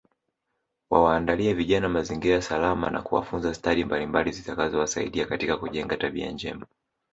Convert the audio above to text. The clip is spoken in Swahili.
Wawaandalie vijana mazingira salama na kuwafunza stadi mbalimbali zitakazowasaidia katika kujenga tabia njema